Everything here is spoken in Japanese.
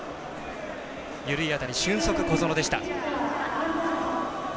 緩い当たり、俊足の小園でした。